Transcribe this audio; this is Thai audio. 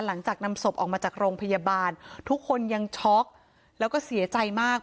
หลังจากนำศพออกมาจากโรงพยาบาลทุกคนยังช็อกแล้วก็เสียใจมาก